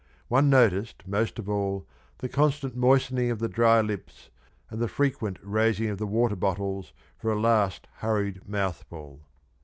One noticed most of all the constant moistening of the dry lips, and the frequent raising of the water bottles for a last hurried mouthful.